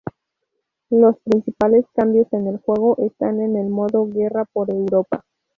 Los principales cambios en el juego están en el modo Guerra por Europa.